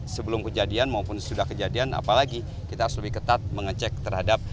sebelum kejadian maupun sesudah kejadian apalagi kita harus lebih ketat mengecek terhadap